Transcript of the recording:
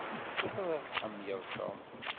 Ẓriɣ tḥemmleḍ Tom.